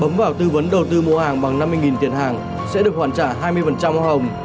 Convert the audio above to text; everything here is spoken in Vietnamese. ống vào tư vấn đầu tư mua hàng bằng năm mươi tiền hàng sẽ được hoàn trả hai mươi hồng